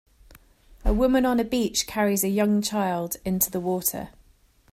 A woman on a beach carries a young child into the water